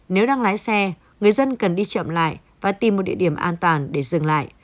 nếu đang lái xe người dân cần đi chậm lại và tìm một địa điểm an toàn để dừng lại